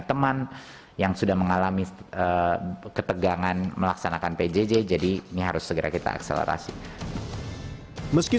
teman yang sudah mengalami ketegangan melaksanakan pjj jadi ini harus segera kita akselerasi meski